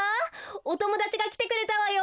おともだちがきてくれたわよ！